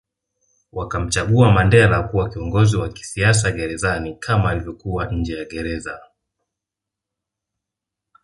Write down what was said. Wakamchagua Mandela kuwa kiongozi wa kisiasa gerezani kama alivyokuwa nje ya Gereza